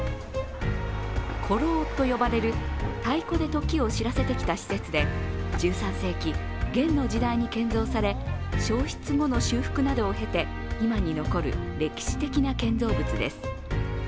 鼓楼と呼ばれる太鼓で時を知らせてきた施設で、１３世紀、元の時代に建造され焼失後の修復などを経て今に残る歴史的な建造物です。